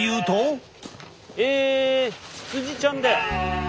ええ羊ちゃんだ。